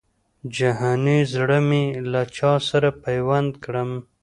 جهاني زړه مي له چا سره پیوند کړم